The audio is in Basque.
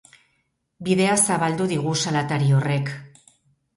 Bidea zabaldu digu salatari horrek.